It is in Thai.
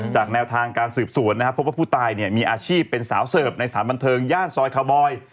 แนวทางการสืบสวนนะครับพบว่าผู้ตายเนี่ยมีอาชีพเป็นสาวเสิร์ฟในสถานบันเทิงย่านซอยคาวบอย